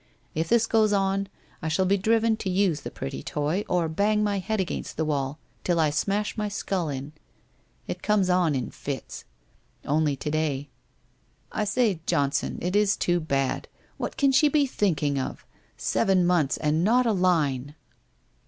If this goes on, I shall be driven to use the pretty toy or bang my head against the wall till I smash my skull in. It comes on in fits. ... Only to day. ... I say, John WHITE ROSE OF WEARY LEAF 401 son, it is too bad ! What can she be thinking of ? Seven months and not a line